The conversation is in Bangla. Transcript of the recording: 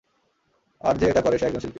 আর যে এটা করে সে একজন শিল্পী।